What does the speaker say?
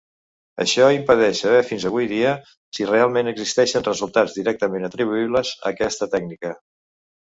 Això impedeix saber fins avui dia si realment existeixen resultats directament atribuïbles a aquesta tècnica.